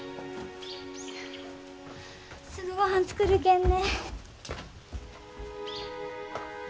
すぐごはん作るけんね。